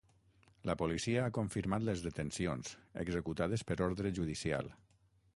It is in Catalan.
La policia ha confirmat les detencions, executades per ordre judicial.